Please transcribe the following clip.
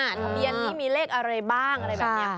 ทะเบียนนี้มีเลขอะไรบ้างอะไรแบบนี้